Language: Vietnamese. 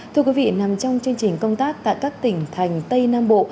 thưa quý vị nằm trong chương trình công tác tại các tỉnh thành tây nam bộ